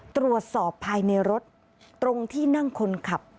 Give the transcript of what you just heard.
ตรวจสอบภายในรถตรงที่นั่งคนขับ